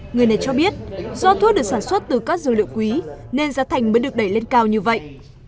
người này cho biết do thuốc được sản xuất từ các dược liệu quý nên giá thành mới được đẩy lên cao như vậy